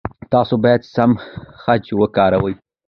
تاسو باید سم خج وکاروئ.